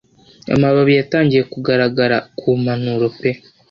amababi yatangiye kugaragara ku mpanuro pe